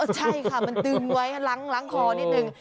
ใช่ค่ะมันดึงไว้ล้างคอนิดนึง